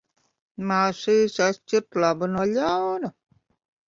Mācījis atšķirt labu no ļauna.